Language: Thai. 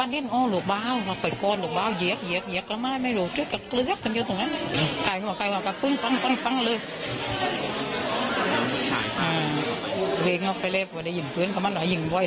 โดนทรงจำรูปราลหลานทรงสถานการณ์